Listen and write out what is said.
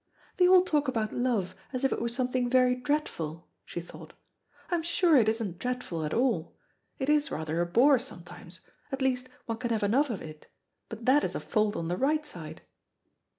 "They all talk about love as if it were something very dreadful," she thought. "I'm sure it isn't dreadful at all. It is rather a bore sometimes; at least one can have enough of it, but that is a fault on the right side."